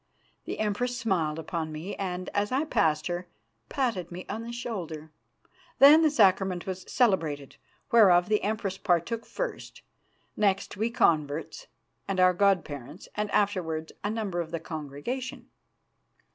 The Empress smiled upon me and, as I passed her, patted me on the shoulder. Then the Sacrament was celebrated, whereof the Empress partook first; next we converts, with our god parents, and afterwards a number of the congregation.